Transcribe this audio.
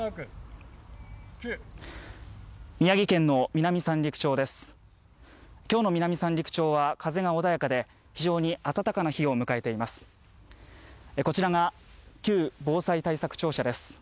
宮城県の南三陸町です。